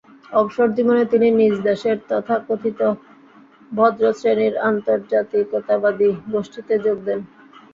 অবসর জীবনে তিনি নিজ দেশের তথাকথিত ভদ্রশ্রেণির আন্তর্জাতিকতাবাদী গোষ্ঠীতে যোগ দেন।